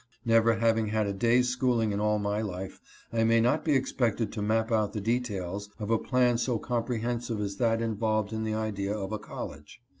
... Never having had a day's schooling in all my life, I may not be expected to map out the details of a plan so comprehensive as that involved in the idea of a college.